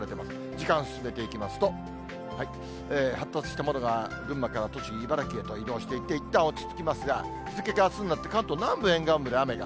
時間進めていきますと、発達した雨雲が群馬から栃木、茨城へと移動していって、いったん落ち着きますが、日付があすになって、関東南部沿岸部で雨が。